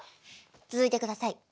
続いてください。